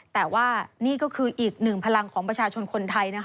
แต่ว่านี่ก็คืออีกหนึ่งพลังของประชาชนคนไทยนะคะ